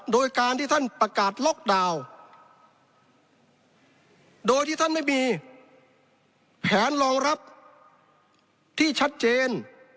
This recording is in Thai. โดยการที่ท่านประกาศล็อกดาวน์โดยที่ท่านไม่มีแผนรองรับที่ชัดเจน